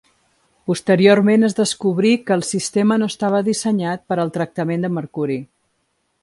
Posteriorment es descobrí que el sistema no estava dissenyat per al tractament de mercuri.